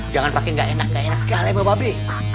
jangan pakai gak enak gak enak sekali be